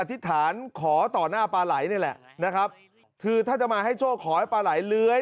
ธิษฐานขอต่อหน้าปลาไหลนี่แหละนะครับคือถ้าจะมาให้โชคขอให้ปลาไหลเลื้อย